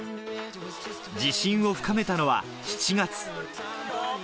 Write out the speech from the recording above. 自信を深めたのは７月。